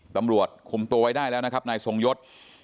ตำรวจคุมตัวไว้ได้แล้วนะครับนายทรงยศ